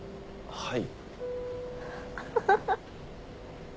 はい。